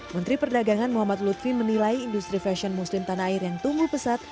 menteri perdagangan muhammad lutfi menilai industri fashion muslim tanah air yang tumbuh pesat